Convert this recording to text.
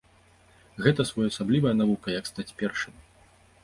Гэта своеасаблівая навука, як стаць першым.